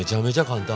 簡単！